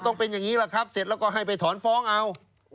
ต้องเป็นอย่างนี้แหละครับเสร็จแล้วก็ให้ไปถอนฟ้องเอา